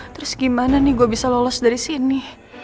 terus gimana nih gue bisa lolos dari sini